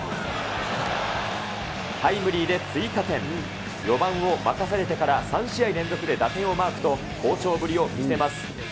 タイムリーで追加点、４番を任されてから３試合連続で打点をマークと、好調ぶりを見せます。